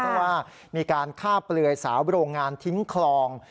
เพราะว่ามีการฆ่าเปลือยสาวโรงงานทิ้งคลอง